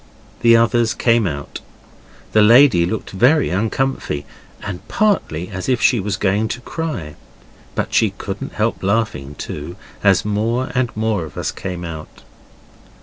The others came out. The lady looked very uncomfy, and partly as if she was going to cry. But she couldn't help laughing too, as more and more of us came out.